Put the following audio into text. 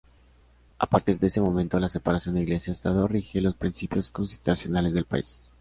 A partir de ese momento, la separación Iglesia-Estado rige los principios constitucionales del país.